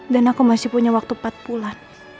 dan aku masih punya waktu empat bulan